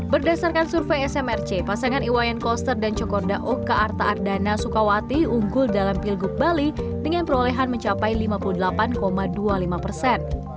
berdasarkan survei smrc pasangan iwayan koster dan cokorda oka arta ardana sukawati unggul dalam pilgub bali dengan perolehan mencapai lima puluh delapan dua puluh lima persen